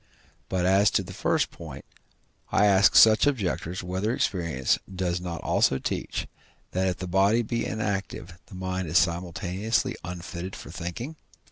But, as to the first point, I ask such objectors, whether experience does not also teach, that if the body be inactive the mind is simultaneously unfitted for thinking?